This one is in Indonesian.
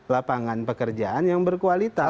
lapangan pekerjaan yang berkualitas